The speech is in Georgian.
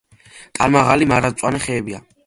ტანმაღალი, მარადმწვანე ხეებია.